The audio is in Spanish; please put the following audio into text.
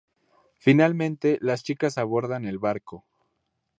Finalmente, las chicas abordan el barco.